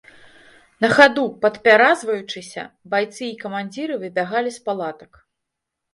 На хаду падпяразваючыся, байцы і камандзіры выбягалі з палатак.